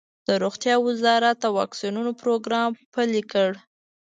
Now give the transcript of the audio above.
د روغتیا وزارت د واکسینونو پروګرام پیل کړ.